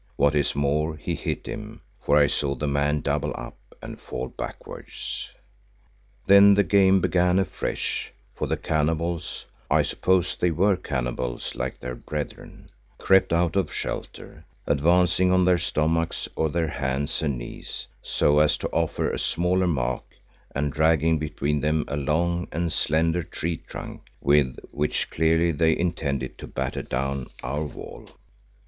What is more he hit him, for I saw the man double up and fall backwards. Then the game began afresh, for the cannibals (I suppose they were cannibals like their brethren) crept out of shelter, advancing on their stomachs or their hands and knees, so as to offer a smaller mark, and dragging between them a long and slender tree trunk with which clearly they intended to batter down our wall.